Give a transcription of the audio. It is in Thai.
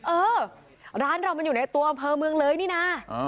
เออร้านเรามันอยู่ในตัวอำเภอเมืองเลยนี่นะ